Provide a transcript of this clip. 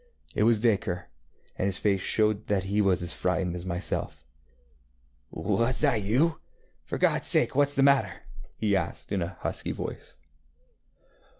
It was Dacre, and his face showed that he was as frightened as myself. ŌĆ£Was that you? For GodŌĆÖs sake whatŌĆÖs the matter? ŌĆØ he asked in a husky voice.